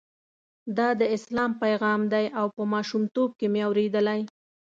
دا د اسلام پیغام دی او په ماشومتوب کې مې اورېدلی.